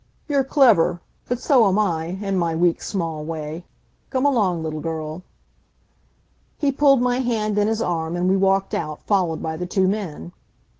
You're clever, but so am I in my weak, small way. Come along, little girl." He pulled my hand in his arm and we walked out, followed by the two men.